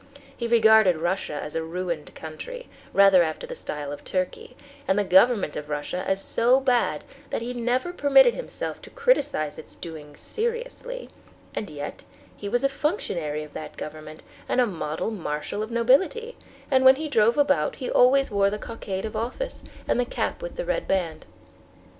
He regarded Russia as a ruined country, rather after the style of Turkey, and the government of Russia as so bad that he never permitted himself to criticize its doings seriously, and yet he was a functionary of that government and a model marshal of nobility, and when he drove about he always wore the cockade of office and the cap with the red band.